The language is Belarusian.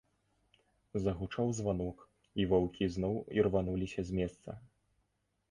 Загучаў званок, і ваўкі зноў ірвануліся з месца.